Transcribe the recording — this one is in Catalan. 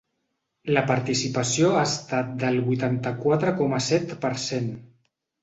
La participació ha estat del vuitanta-quatre coma set per cent.